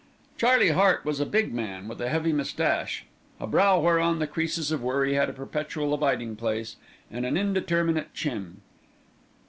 Charlie Hart was a big man with a heavy moustache, a brow whereon the creases of worry had a perpetual abiding place, and an indeterminate chin.